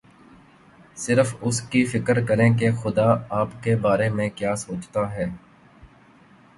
صرف اس کی فکر کریں کہ خدا آپ کے بارے میں کیا سوچتا ہے۔